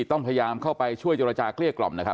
ต้องพยายามเข้าไปช่วยเจรจาเกลี้ยกล่อมนะครับ